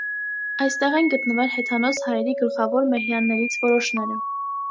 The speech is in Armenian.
Այստեղ են գտնվել հեթանոս հայերի գլխավոր մեհյաններից որոշները։